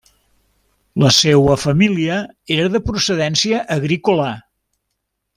La seua família era de procedència agrícola.